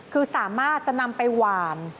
คือสามารถจะนำไปหวาน